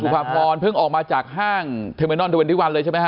คุณสุภาพรเพิ่งออกมาจากห้างเทอร์เมนอลดูเว็นดิวันเลยใช่ไหมฮะ